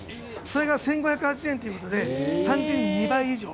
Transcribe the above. それが１５８０円ということで、単純に２倍以上。